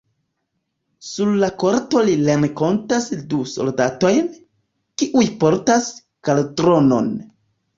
Sur la korto li renkontas du soldatojn, kiuj portas kaldronon.